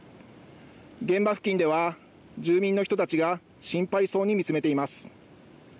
現場付近では住民の人たちが心配そうに見つめています。